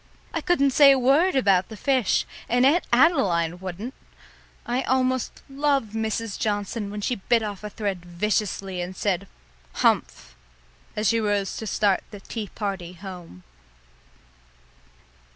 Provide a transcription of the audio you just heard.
I couldn't say a word about the fish and Aunt Adeline wouldn't! I almost loved Mrs. Johnson when she bit off a thread viciously and said, "Humph," as she rose to start the tea party home.